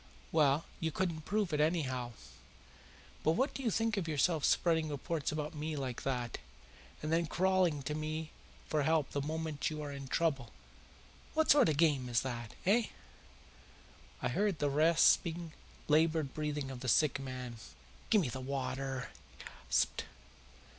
Well, you couldn't prove it, anyhow. But what do you think of yourself spreading reports about me like that, and then crawling to me for help the moment you are in trouble? What sort of a game is that eh?" I heard the rasping, laboured breathing of the sick man. "Give me the water!" he gasped.